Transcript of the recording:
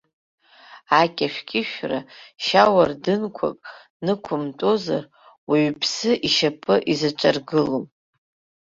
Акьышәкьышәра шьауардынқәак нықәымтәозар, уаҩԥсы ишьапы изаҿаргылом.